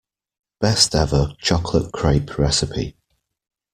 Best ever chocolate crepe recipe.